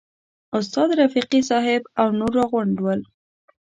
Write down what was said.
استاد رفیقي صاحب او نور راغونډ ول.